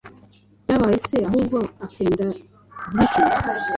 Byabaye se ahubwo ikenda by’icumi!